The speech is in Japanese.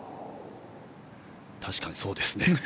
確かにそうですね。